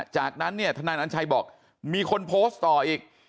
จากนั้นเนี่ยทนายนัญชัยบอกมีคนโพสต์ต่ออีก